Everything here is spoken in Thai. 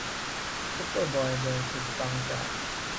ซูเปอร์บอยแบนด์สุดปังจาก